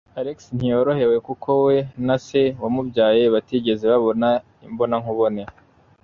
Alex ntiyorohewe kuko we na se wamubyaye batigeze babona imbonankubone.